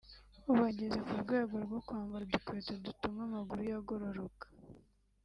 ubu ageze ku rwego rwo kwambara udukweto dutuma amaguru ye agororoka